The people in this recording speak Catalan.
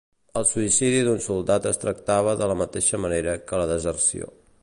El suïcidi d'un soldat es tractava de la mateixa manera que la deserció.